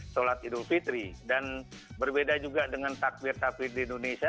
sholat idul fitri dan berbeda juga dengan takbir takbir di indonesia